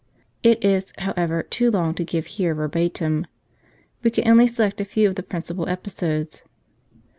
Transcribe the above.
It is, how ever, too long to give here verbatim ; we can only select a few of the principal episodes.